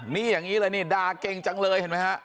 นี้ยังงี้ด่าเก่งจังเลย